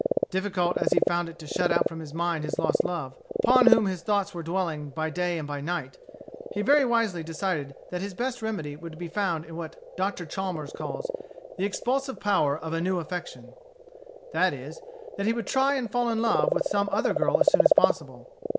Difficult as he found it to shut out from his mind his lost love, upon whom his thoughts were dwelling by day and by night, he very wisely decided that his best remedy would be found in what Dr. Chalmers calls "the expulsive power of a new affection;" that is, that he would try and fall in love with some other girl as soon as possible.